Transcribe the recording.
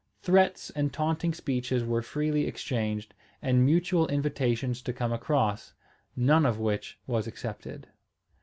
Threats and taunting speeches were freely exchanged, and mutual invitations to come across, none of which was accepted.